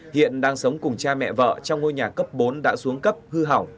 hiện đang sống cùng cha mẹ vợ trong ngôi nhà cấp bốn đã xuống cấp hư hỏng